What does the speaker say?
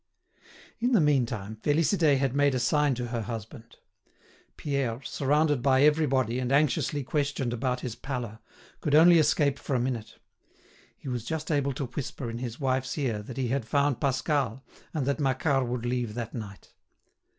In the meantime, Félicité had made a sign to her husband. Pierre, surrounded by everybody and anxiously questioned about his pallor, could only escape for a minute. He was just able to whisper in his wife's ear that he had found Pascal and that Macquart would leave that night.